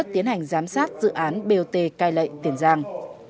tiến hành giám sát dự án bot cai lệ tiền giang